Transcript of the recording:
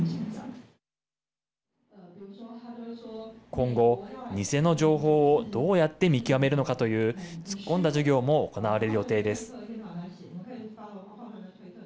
今後、偽の情報をどうやって見極めるのかという突っ込んだ授業も行われる予定です。